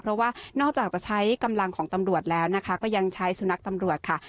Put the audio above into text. เพราะว่านอกจากจะใช้กำลังของตำรวจแล้วนะคะก็ยังใช้สุนัขตำรวจค่ะ